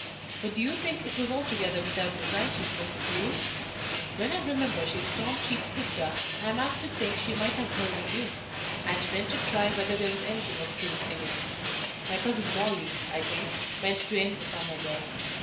But do you think it was altogether without design she spoke it to you? When I remember she is Tom Cheeke's sister, I am apt to think she might have heard his news, and meant to try whether there was anything of truth in't. My cousin Molle, I think, means to end the summer there.